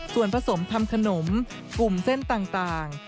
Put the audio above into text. ส่วนผสมทำขนมกลุ่มเส้นต่าง